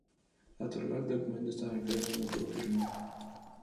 Al otorgar el documento, estaba enfermo y no pudo firmar.